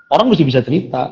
orang mesti bisa cerita